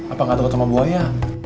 apa nggak takut sama buaya